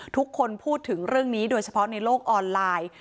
ทุกคนพูดถึงเรื่องนี้โดยเฉพาะในโลกออนไลน์